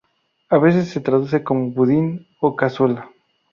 A veces se traduce como "budín" o "cazuela".